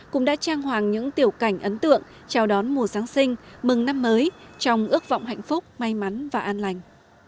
cũng đã trang hoàng những tiểu cảnh ấn tượng chào đón mùa giáng sinh mừng năm mới trong ước vọng hạnh phúc may mắn và an lành